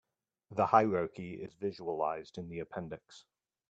The hierarchy is visualized in the appendix.